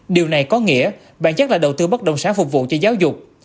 điều này có nghĩa bạn chắc là đầu tư bất động sản phục vụ cho giáo dục